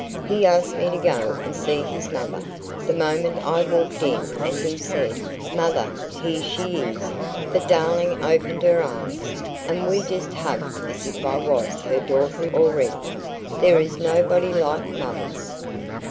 He asked me to go and see his mother.... The moment I walked in and he said, 'Mother, here she is,' the darling opened her arms, and we just hugged as if I was her daughter already. There is nobody like mothers....